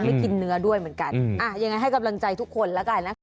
ไม่กินเนื้อด้วยเหมือนกันยังไงให้กำลังใจทุกคนแล้วกันนะคะ